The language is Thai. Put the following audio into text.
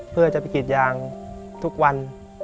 เพื่อจะไปกรีดยางทุกวัน